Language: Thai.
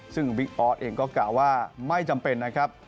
ซึ่งบิ๊กออสเองก็กล่าวว่าไม่จำเป็นนะครับ